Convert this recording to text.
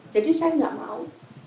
jadi saya tidak mau